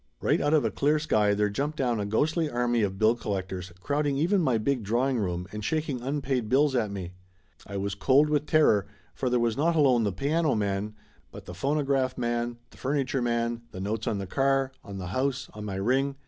Right out of a clear sky there jumped down a ghostly army of bill collectors, crowding even my big drawing room and shaking unpaid bills at me. I was cold with terror, for there was not alone the piano man, but the phonograph man, the furniture man, the notes on the car, on the house, on my ring.